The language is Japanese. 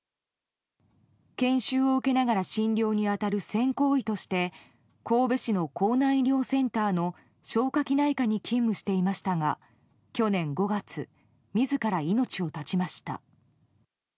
研修を受けながら診療に当たる専攻医として神戸市の甲南医療センターの消化器内科に勤務していましたが去年５月、自ら命を絶ちました。